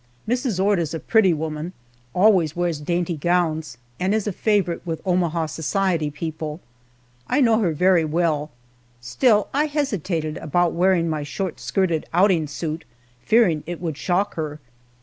Mrs. Ord is a pretty woman, always wears dainty gowns, and is a favorite with Omaha society people. I know her very well, still I hesitated about wearing my short skirted outing suit, fearing it would shock her.